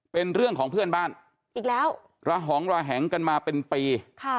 เป็นเรื่องของเพื่อนบ้านอีกแล้วระหองระแหงกันมาเป็นปี